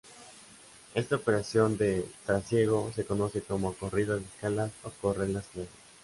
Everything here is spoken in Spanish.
Esta operación de trasiego se conoce como "corrida de escalas" o "correr las clases".